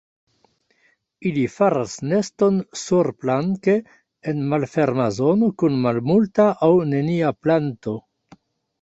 Ili faras neston surplanke en malferma zono kun malmulta aŭ nenia planto.